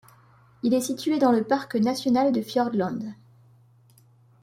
Il est situé dans le parc national de Fiordland.